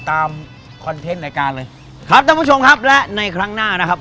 คอนเทนต์รายการเลยครับท่านผู้ชมครับและในครั้งหน้านะครับ